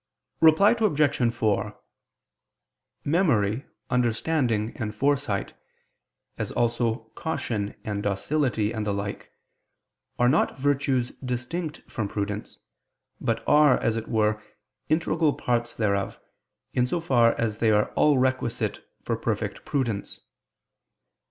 Reply Obj. 4: Memory, understanding and foresight, as also caution and docility and the like, are not virtues distinct from prudence: but are, as it were, integral parts thereof, in so far as they are all requisite for perfect prudence.